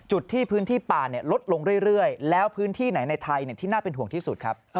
จุดที่พื้นที่ป่าลดลงเรื่อยแล้วพื้นที่ไหนในไทยที่น่าเป็นห่วงที่สุดครับ